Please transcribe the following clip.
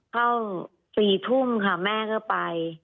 เข้า๔ทุ่มค่ะแม่ก็ไป